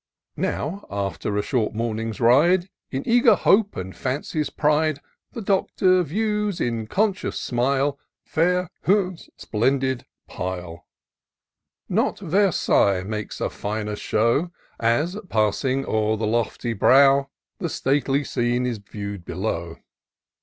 Now, after a short morning's ride, In eager hope and fancy's pride. The Doctor views, with conscious smile, Fair 's splendid pile. IN SEARCH OF THE PICTURESQUE. 131 Not Versailles makes a finer show, As, passing o'er the lofty brow, The stately scene is view'd below.